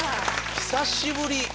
久しぶり。